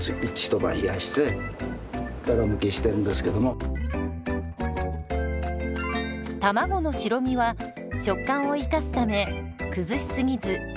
卵の白身は食感を生かすため崩しすぎず形をほどよく残しています。